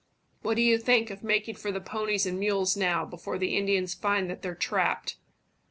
"What do you think of making for the ponies and mules now, before the Indians find that they're trapped?"